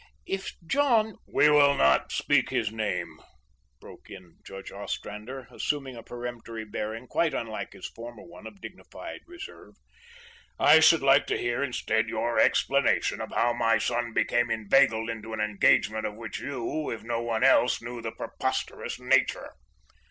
If John " "We will not speak his name," broke in Judge Ostrander, assuming a peremptory bearing quite unlike his former one of dignified reserve. "I should like to hear, instead, your explanation of how my son became inveigled into an engagement of which you, if no one else, knew the preposterous nature."